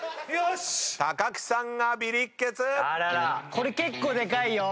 これ結構でかいよ。